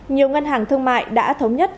nhiều ngân hàng thương mại đã thống nhất